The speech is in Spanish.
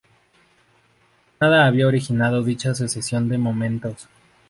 Nada habría originado dicha sucesión de momentos.